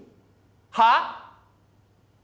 はあ！？